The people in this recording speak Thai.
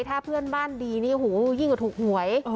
ถ้าเพื่อนบ้านดีนี่หูยิ่งกว่าถูกหวย